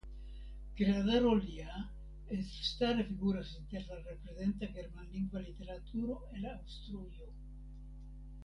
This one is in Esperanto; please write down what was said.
Kreadaro lia elstare figuras inter la reprezenta germanlingva literaturo el Aŭstrujo.